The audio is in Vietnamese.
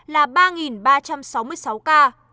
là ba ba trăm sáu mươi sáu ca